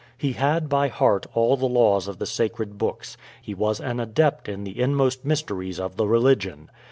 He had by heart all the laws of the sacred books; he was an adept in the inmost mysteries of the religion.